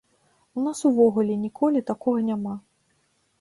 У нас увогуле ніколі такога няма.